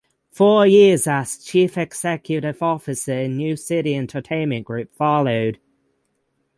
Four years as chief executive officer of New City Entertainment group followed.